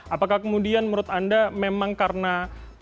apakah kemudian menurut anda memang karena proses ini terlalu berat